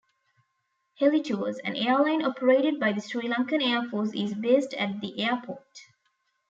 Helitours, an airline operated by the Sri Lankan Airforce is based at the airport.